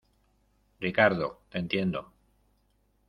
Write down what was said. Ricardo, te entiendo.